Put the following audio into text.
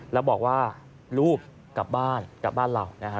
แล้วบอกว่าลูกกลับบ้านกลับบ้านเรานะฮะ